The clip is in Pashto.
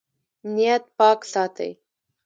نیت پاک ساتئ